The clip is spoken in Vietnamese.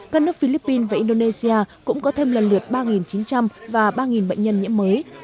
các nước philippines và indonesia cũng có thêm lần lượt ba chín trăm linh và ba bệnh nhân nhiễm mới